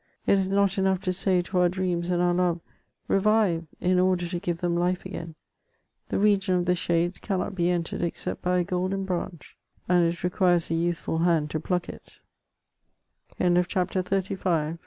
It is not enough to say to our dreams and our love :'^ Revive !*' in order to give them life again ; the region of the shades cannot be entered except by a golden branch, and it requires a youthful hand to